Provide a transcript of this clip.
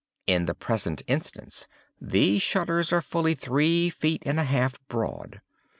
In the present instance these shutters are fully three feet and a half broad.